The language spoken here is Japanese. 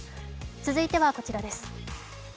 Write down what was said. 続いてはこちらです。